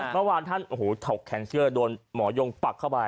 เมื่อวานท่านโถกแคนเซอร์โดนหมอยงปักเข้าไป